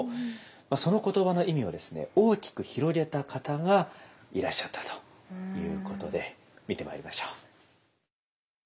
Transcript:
その言葉の意味をですね大きく広げた方がいらっしゃったということで見てまいりましょう。